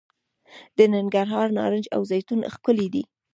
د ننګرهار نارنج او زیتون ښکلي دي.